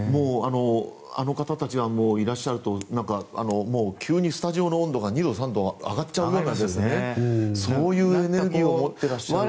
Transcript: あの方たちがいらっしゃると急にスタジオの温度が２度、３度上がっちゃうようなそういうエネルギーを持っていらっしゃる。